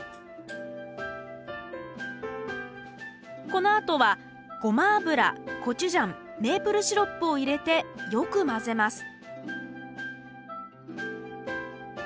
このあとはゴマ油コチュジャンメープルシロップを入れてよく混ぜます